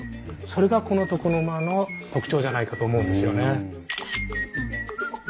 それがこの床の間の特徴じゃないかと思うんですよね。